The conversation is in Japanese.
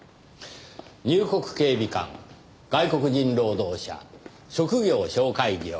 入国警備官外国人労働者職業紹介業。